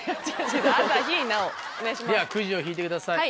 くじを引いてください。